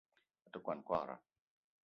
A te kwuan kwagra.